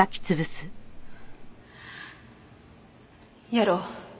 やろう。